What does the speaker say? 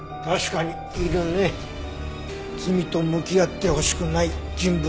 確かにいるね罪と向き合ってほしくない人物が。